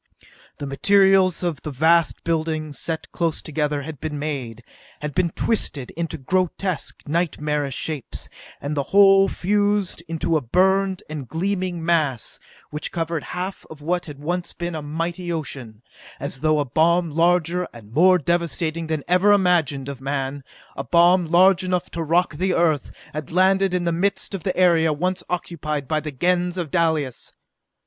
The materials of which the vast buildings, set close together, had been made, had been twisted into grotesque, nightmarish shapes, and the whole fused into a burned and gleaming mass which covered half of what had once been a mighty ocean as though a bomb larger and more devastating than ever imagined of man, a bomb large enough to rock the Earth, had landed in the midst of the area once occupied by the Gens of Dalis!